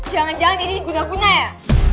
jangan jangan ini guna guna ya